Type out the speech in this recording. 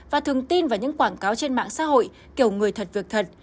và thường tin vào những quảng cáo trên mạng xã hội kiểu người thật việc thật